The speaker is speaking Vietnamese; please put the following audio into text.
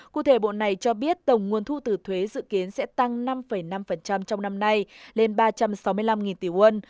cụ thể bộ này cho biết tổng nguồn thu từ thuế dự kiến sẽ tăng năm năm trong năm nay lên ba trăm sáu mươi năm tỷ quân